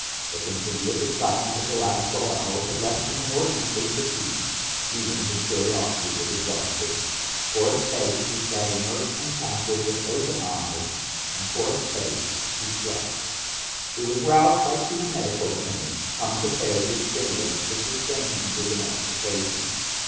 The continuous excitement of the last twelve hours had left him inordinately fatigued, even his curiosity was exhausted; for a space he sat inert and passive with open eyes, and for a space he slept. He was roused by two medical attendants, come prepared with stimulants to sustain him through the next occasion.